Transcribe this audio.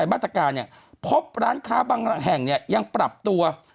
นยกตำหนิเมื่อที่มีการเพิ่งแย่งซื้อเครื่องดื่มแอลกอฮอล์ขนาดนี้